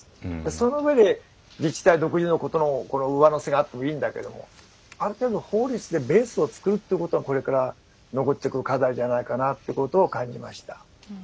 そのうえで自治体独自のこの上乗せがあってもいいんだけどもある程度法律でベースを作るということがこれから上ってくる課題じゃないかなということを感じました。